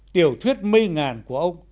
tiểu thuyết mây ngàn của ông